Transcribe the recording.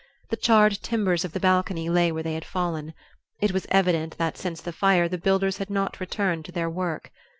The charred timbers of the balcony lay where they had fallen. It was evident that since the fire the builders had not returned to their work.